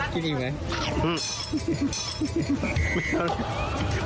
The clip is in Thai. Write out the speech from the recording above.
กินอีกไหม